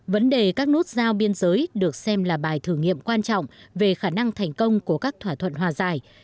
vấn đề các nút giao biên giới được xem là bài thử nghiệm quan trọng về khả năng thành công của các thỏa thuận hòa giải